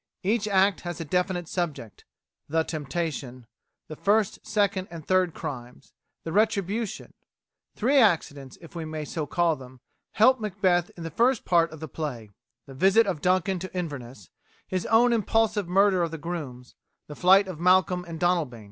Each act has a definite subject: The Temptation; The First, Second, and Third Crimes; The Retribution. Three accidents, if we may so call them, help Macbeth in the first part of the play: the visit of Duncan to Inverness, his own impulsive murder of the grooms, the flight of Malcolm and Donalbain.